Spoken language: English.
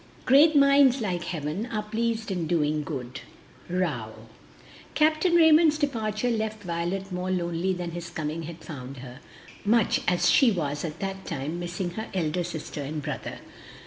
"Great minds, like heaven, are pleased in doing good." Rowe. Capt. Raymond's departure left Violet more lonely than his coming had found her, much as she was at that time missing her elder sister and brother.